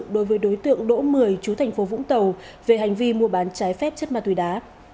đối với đối tượng đỗ mười chú thành phố vũng tàu về hành vi mua bán trái phép chất ma túy đá